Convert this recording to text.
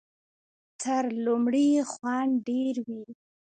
تر لومړي یې خوند ډېر وي .